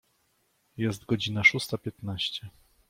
Jest godzina szósta piętnaście.